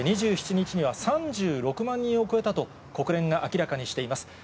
２７日には３６万人を超えたと、国連が明らかにしています。